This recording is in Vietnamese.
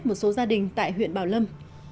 một số gia đình tại huyện bảo lâm